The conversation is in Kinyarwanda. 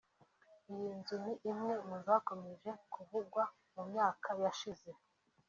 Iyi nzu ni imwe mu zakomeje kuvugwa mu myaka ya shize